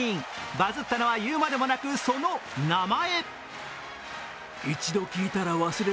バズったのは、言うまでもなくその名前。